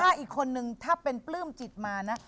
ถ้าอีกคนนึงถ้าเป็นปลื้มจิตมานะ